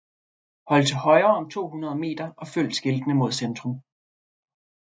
Hold til højre om to hundrede meter og følg skiltene mod centrum.